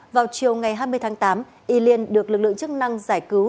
vào chiều ngày hai mươi tháng tám y liên được lực lượng chức năng giải cứu